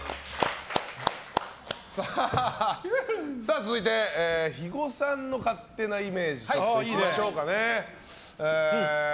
続いて、肥後さんの勝手なイメージいきましょうか。